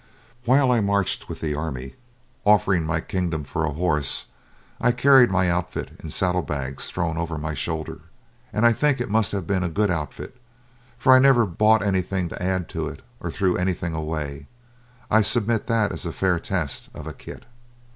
While I marched with the army, offering my kingdom for a horse, I carried my outfit in saddle bags thrown over my shoulder. And I think it must have been a good outfit, for I never bought anything to add to it or threw anything away. I submit that as a fair test of a kit.